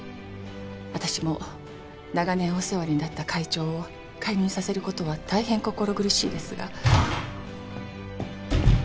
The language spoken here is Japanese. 私も長年お世話になった会長を解任させる事は大変心苦しいですが。